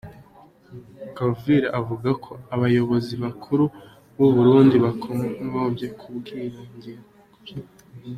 Colville avuga ko abayobozi bakuru b’ u Burundi bakagombye kubwirengera.